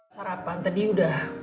sarapan tadi udah